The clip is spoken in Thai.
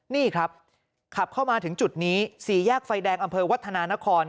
นี่ครับขับเข้ามาถึงจุดนี้สี่แยกไฟแดงอำเภอวัฒนานคร